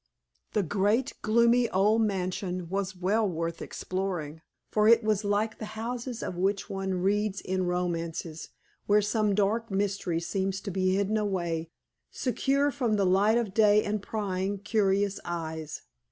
The great, gloomy old mansion was well worth exploring, for it was like the houses of which one reads in romances, where some dark mystery seems to be hidden away secure from the light of day and prying, curious eyes.